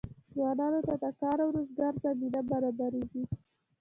ځوانانو ته د کار او روزګار زمینه برابریږي.